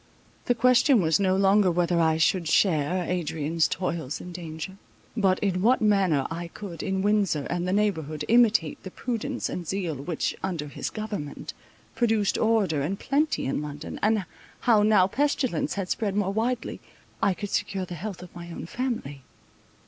The question was no longer whether I should share Adrian's toils and danger; but in what manner I could, in Windsor and the neighbourhood, imitate the prudence and zeal which, under his government, produced order and plenty in London, and how, now pestilence had spread more widely, I could secure the health of my own family.